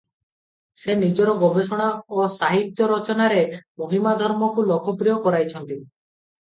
ସେ ନିଜର ଗବେଷଣା ଓ ସାହିତ୍ୟ ରଚନାରେ ମହିମା ଧର୍ମକୁ ଲୋକପ୍ରିୟ କରାଇଛନ୍ତି ।